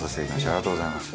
ありがとうございます。